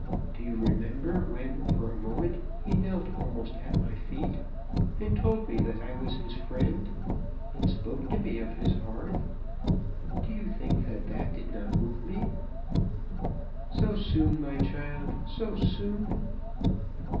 Do you remember when for a moment he knelt almost at my feet, and told me that I was his friend, and spoke to me of his hearth? Did you think that that did not move me?" "So soon, my child; so soon?"